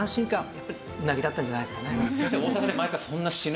やっぱりうなぎだったんじゃないですかね。